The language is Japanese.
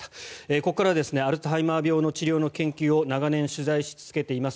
ここからはアルツハイマー病の治療の研究を長年取材し続けています